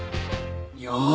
よし！